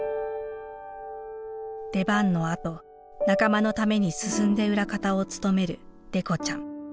出番のあと仲間のために進んで裏方を務めるデコちゃん。